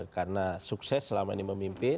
karena sukses selama ini memimpin